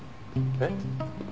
えっ？